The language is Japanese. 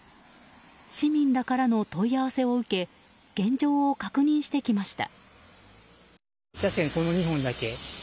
市民らからの問い合わせを受け現状を確認してきました。